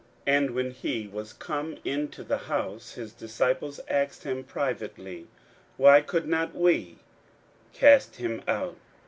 41:009:028 And when he was come into the house, his disciples asked him privately, Why could not we cast him out?